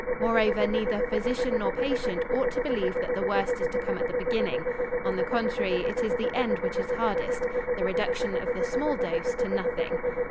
Moreover neither physician nor patient ought to believe that the worst is to come at the beginning. On the contrary, it is the end which is hardest, the reduction of the small dose to nothing.